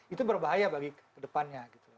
itu berbahaya bagi kedepannya